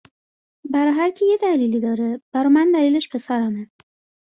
برا هرکی یه دلیلی داره برا من دلیلش پسرمه